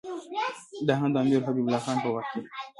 دا هم د امیر حبیب الله خان په وخت کې.